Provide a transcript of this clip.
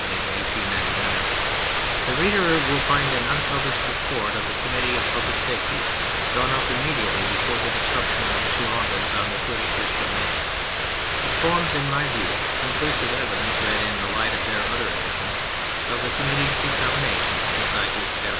1899) the reader will find an unpublished report of the Committee of Public Safety, drawn up immediately before the destruction of the Girondins on the 31st of May It forms, in my view, conclusive evidence, read in the light of their other actions, of the Committee's determination, to side with Paris.